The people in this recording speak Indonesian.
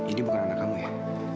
ini bukan anak kamu ya